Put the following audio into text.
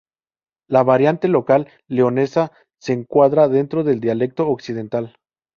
La variante local leonesa se encuadra dentro del dialecto occidental.